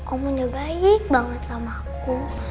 om udah baik banget sama aku